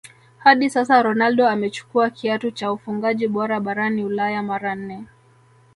Hadi sasa Ronaldo amechukua kiatu cha ufungaji bora barani ulaya mara nne